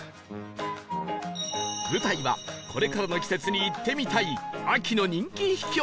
舞台はこれからの季節に行ってみたい秋の人気秘境